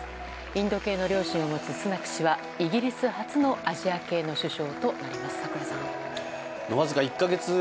インド系の両親を持つスナク氏はイギリス初のアジア系の首相となります。